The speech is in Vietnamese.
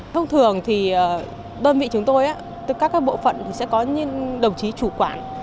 thông thường thì đơn vị chúng tôi các bộ phận sẽ có những đồng chí chủ quản